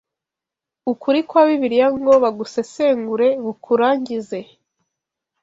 Ukuri kwa Bibiliya ngo bugusesengure bukurangize